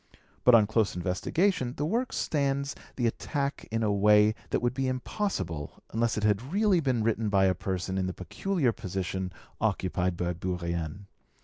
But on close investigation the work stands the attack in a way that would be impossible unless it had really been written by a person in the peculiar position occupied by Bourrienne.